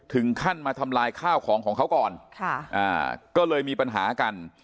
ถึงขั้นมาทำลายข้าวของของเขาก่อนก็เลยมีปัญหากัน